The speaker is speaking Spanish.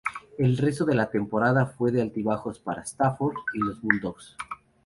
El resto de la temporada fue de altibajos para Stafford y los Bulldogs.